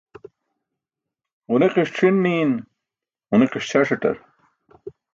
Ġuniqi̇ṣ c̣ʰin niin ġuniqiṣ ćʰaṣatar